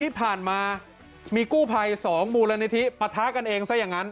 ที่ผ่านมามีกู้ภัย๒มูลนิธิปะทะกันเองซะอย่างนั้น